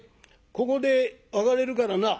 ここで別れるからな」。